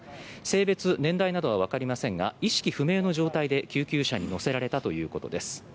性別、年代などはわかりませんが意識不明の状態で救急車に乗せられたということです。